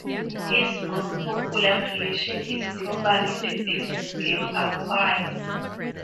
His most popular creation is probably the business game "Acquire".